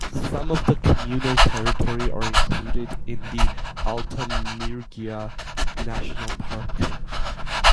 Some of the communal territory are included in the Alta Murgia National Park.